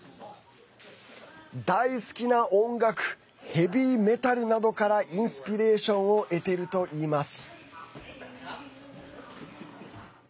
大好きな音楽ヘビーメタルなどからインスピレーションを得ているといいます。